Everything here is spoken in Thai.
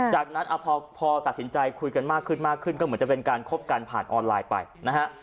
จากนั้นพอตัดสินใจคุยกันมากขึ้นมากขึ้นก็เหมือนจะเป็นการคบกันผ่านออนไลน์ไปนะฮะ